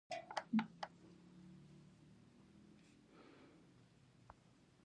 زما ټلیفون نېټ نه لري .